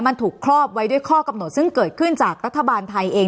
มันถูกครอบไว้ด้วยข้อกำหนดซึ่งเกิดขึ้นจากรัฐบาลไทยเอง